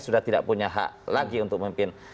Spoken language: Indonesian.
sudah tidak punya hak lagi untuk memimpin